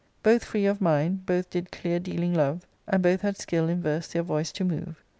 Both free of mind, both did clear dealing love, y And both had skill in verse their voice to move.